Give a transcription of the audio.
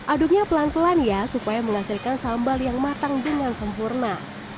aduknya pelan pelan ya supaya menghasilkan sambal yang matang dengan sempurna